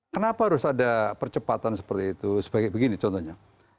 kenapa harus ada percepatan seperti itu sebagai begini contohnya